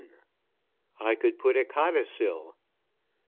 I COULD PUT A CODICIL.